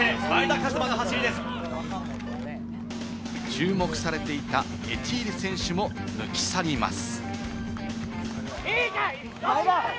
注目されていたエティーリ選手も抜き去ります。